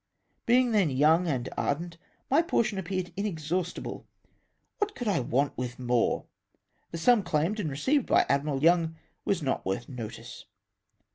'''' Being then young and ardent, my portion appeared inexhaustible. Wliat could I want with more ? The sum claimed and received by Admkal Young was not worth notice.